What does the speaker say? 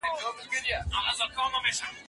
په قرآن کريم کي د يوسف عليه السلام قصه ډيره ښکلې ده.